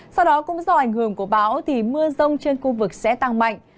sau đó cũng do ảnh hưởng của bão thì mưa rông trên khu vực sẽ tăng mạnh